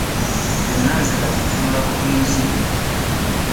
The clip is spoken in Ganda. Byonna nze kati ntunula butunuzi.